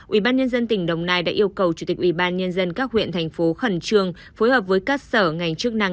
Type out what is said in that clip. ubnd tỉnh đồng nai đã yêu cầu chủ tịch ubnd các huyện thành phố khẩn trương phối hợp với các sở ngành chức năng